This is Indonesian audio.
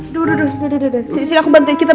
duh duh duh